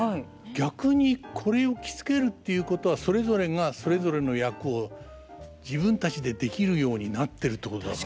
逆にこれを着付けるっていうことはそれぞれがそれぞれの役を自分たちでできるようになってるってことだから。